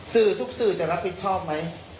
สื่อทุกสื่อจะรับผิดชอบไหม